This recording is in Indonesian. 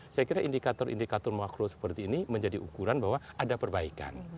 saya kira indikator indikator makro seperti ini menjadi ukuran bahwa ada perbaikan